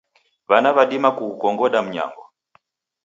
W'ana w'adima kughukongoda mnyango.